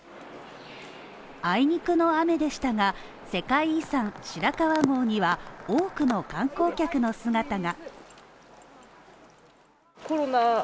あいにくの雨でしたが、世界遺産白川郷には多くの観光客の姿が。